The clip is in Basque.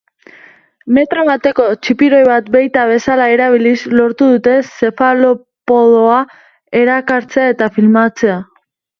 Metro bateko txipiroi bat beita bezala erabiliz lortu dute zefalopodoa erakartzea eta filmatzea.